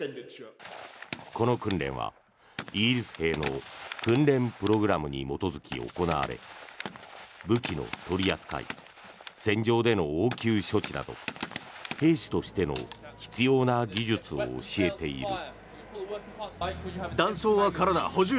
この訓練はイギリス兵の訓練プログラムに基づき行われ武器の取り扱い戦場での応急処置など兵士としての必要な技術を教えている。